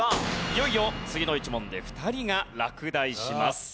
いよいよ次の１問で２人が落第します。